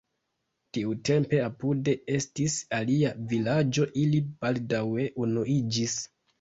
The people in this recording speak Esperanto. Tiutempe apude estis alia vilaĝo, ili baldaŭe unuiĝis.